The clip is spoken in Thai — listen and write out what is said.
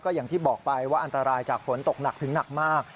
อย่างที่บอกไปว่าอันตรายจากฝนตกหนักถึงหนักมาก